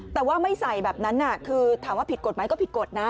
แต่ว่าไม่ใส่แบบนั้นคือถามว่าผิดกฎหมายก็ผิดกฎนะ